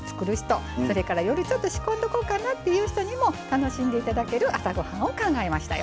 それから夜ちょっと仕込んどこうかなっていう人にも楽しんで頂ける朝ごはんを考えましたよ。